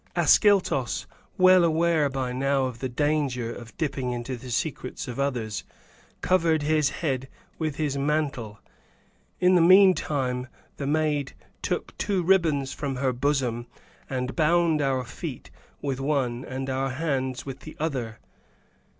Ascyltos, well aware by now of the danger of dipping into the secrets of others, covered his head with his mantle. (In the meantime,) the maid took two ribbons from her bosom and bound our feet with one and our hands with the other.